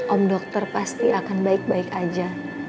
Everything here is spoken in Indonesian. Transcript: om dokter pasti akan baik baik aja